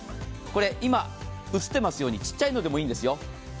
今、映ってますように小さいのでもいいんですよ。